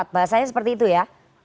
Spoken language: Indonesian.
bahasanya seperti itu ya